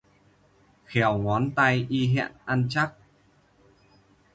Khoèo ngón tay y hẹn ăn chắc